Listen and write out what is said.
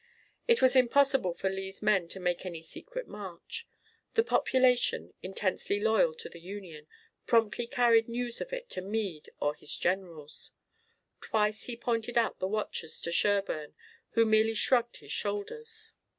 It was impossible for Lee's men to make any secret march. The population, intensely loyal to the Union, promptly carried news of it to Meade or his generals. Twice he pointed out the watchers to Sherburne who merely shrugged his shoulders.